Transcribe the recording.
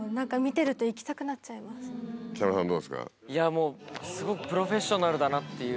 もうすごくプロフェッショナルだなっていう。